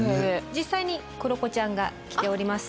実際に黒子ちゃんが着ております。